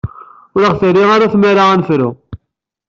Ur aɣ-terri ara tmara ad nerfu.